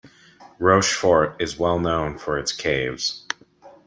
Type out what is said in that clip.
Rochefort is well known for its caves.